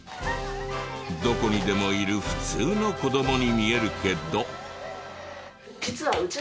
どこにでもいる普通の子供に見えるけど。